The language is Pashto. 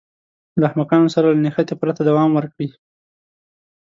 له احمقانو سره له نښتې پرته دوام ورکړي.